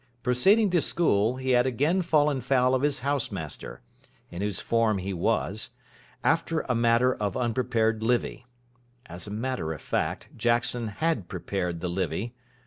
Proceeding to school, he had again fallen foul of his house master in whose form he was over a matter of unprepared Livy. As a matter of fact, Jackson had prepared the Livy.